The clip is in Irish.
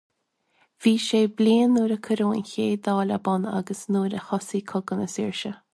Bhí sé bliain nuair a cuireadh an chéad Dáil ar bun agus nuair a thosaigh Cogadh na Saoirse.